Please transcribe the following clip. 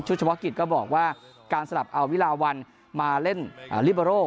เฉพาะกิจก็บอกว่าการสลับเอาวิลาวันมาเล่นลิเบอร์โร่